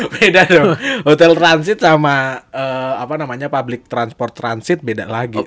beda dong hotel transit sama public transport transit beda lagi